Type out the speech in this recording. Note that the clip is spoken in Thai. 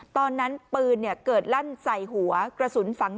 ตอนนั้นปืนเกิดลั่นใส่หัวกระสุนฝัง